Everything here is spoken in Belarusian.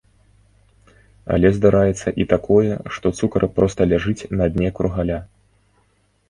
Але здараецца і такое, што цукар проста ляжыць на дне кругаля.